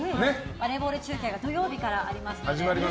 バレーボール中継が土曜日からありますので。